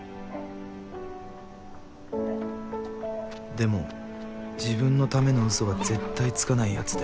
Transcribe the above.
でも自分のためのうそは絶対つかないやつで。